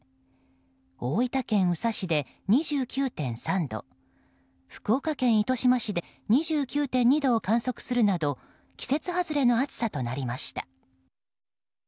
大分県宇佐市で２９．３度福岡県糸島市で２９．２度を観測するなど季節外れの暑さとなりました。